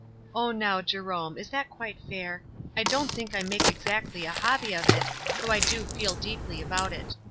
"Ah, now, Jerome, is that quite fair? I don't think I make exactly a hobby of it, though I do feel deeply about it.